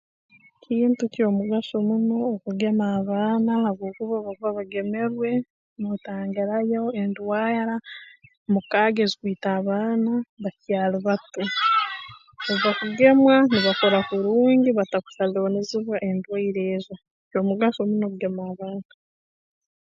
Kintu ky'omugaso muno okugema abaana habwokuba obu bakuba bagemerwe nootangirayo endwara mukaaga ezikwita abaana bakyali bato obu bakugemwa nibakura kurungi batakutalibanizibwa endwaire ezo ky'omugaso muno kugema abaana